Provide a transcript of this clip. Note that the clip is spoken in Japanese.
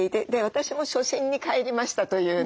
私も初心に帰りました」というね。